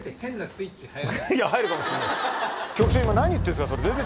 入るかもしれない。